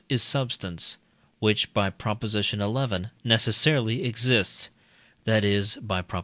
is substance, which (by Prop. xi.) necessarily exists, that is (by Prop.